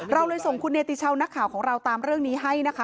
เราเลยส่งคุณเนติชาวนักข่าวของเราตามเรื่องนี้ให้นะคะ